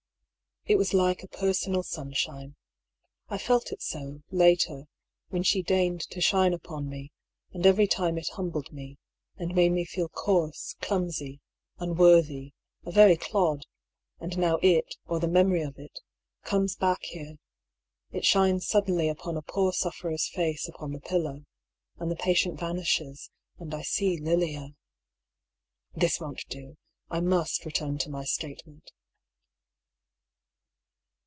It was like a personal sunshine. I felt it so, later, when she deigned to shine upon me ; and every time it humbled me, and made me feel coarse, clumsy, unworthy, a very clod ; and now it, or the memory of it, comes back here — it shines suddenly upon a poor sufferer's face upon the pillow, and the patient vanishes and I see Lilia. This won't do. I must return to my statement.